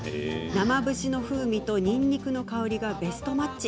生節の風味とにんにくの香りがベストマッチ。